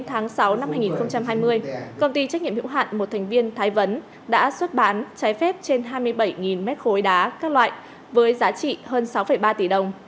tính riêng từ tháng sáu năm hai nghìn hai mươi công ty trách nhiệm hữu hạn một thành viên thái vấn đã xuất bán trái phép trên hai mươi bảy mét khối đá các loại với giá trị hơn sáu ba tỷ đồng